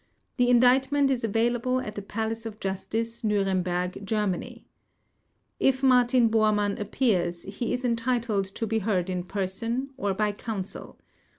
The indictment is available at the Palace of Justice, Nuremberg, Germany. If Martin Bormann appears, he is entitled to be heard in person or by counsel.